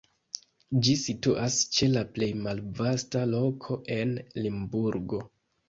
Ĝi situas ĉe la plej malvasta loko en Limburgo.